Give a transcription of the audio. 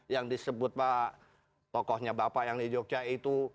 yang disebut pak tokohnya bapak yang di jogja itu